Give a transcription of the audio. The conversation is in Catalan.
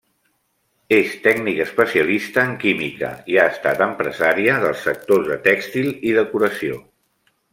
És Tècnic Especialista en Química i ha estat empresària dels sectors de tèxtil i decoració.